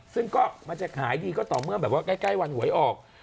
ซึ่งก็มันจะขายดีก็ต่อเมื่อแบบว่าใกล้วันหวยออก